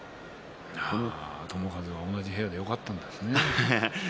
友風が同じ部屋でよかったですね。